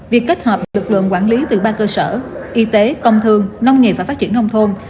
việc kết hợp lực lượng quản lý từ ba cơ sở y tế công thương nông nghiệp và phát triển nông thôn